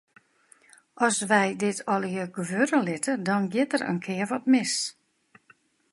As wy dit allegear gewurde litte, dan giet it in kear mis.